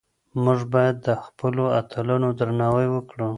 موږ باید د خپلو اتلانو درناوی وکړو.